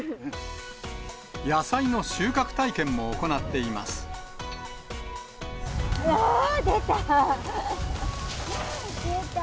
野菜の収穫体験も行っていまわー、出た。